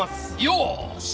よし。